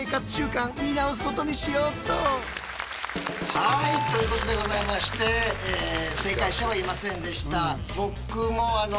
はいということでございまして正解者はいませんでした。